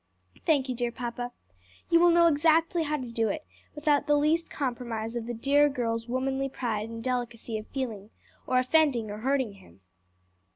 "Thank you, dear papa. You will know exactly how to do it without the least compromise of the dear girl's womanly pride and delicacy of feeling, or offending or hurting him.